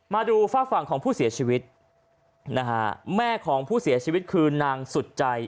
มาดูฝากฝั่งของผู้เสียชีวิตนะฮะแม่ของผู้เสียชีวิตคือนางสุดใจ